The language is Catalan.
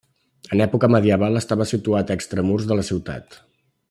En època medieval estava situat extramurs de la ciutat.